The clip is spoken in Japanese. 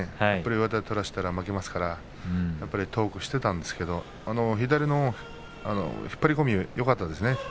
まわし取られたら負けますから遠くしていたんですが左の引っ張り込みよかったですね。